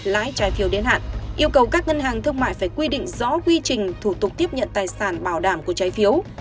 lãi trái phiếu đến hạn yêu cầu các ngân hàng thương mại phải quy định rõ quy trình thủ tục tiếp nhận tài sản bảo đảm của trái phiếu